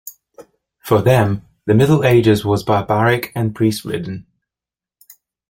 For them the Middle Ages was barbaric and priest-ridden.